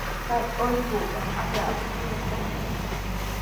Kay allquuqa allaapa kuyakuqmi.